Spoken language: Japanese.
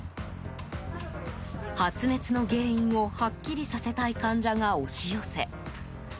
発熱の原因をはっきりさせたい患者が押し寄せ